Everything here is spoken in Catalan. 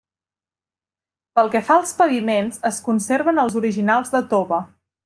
Pel que fa als paviments, es conserven els originals de tova.